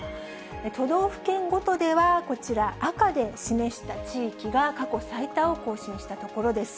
都道府県ごとでは、こちら、赤で示した地域が過去最多を更新した所です。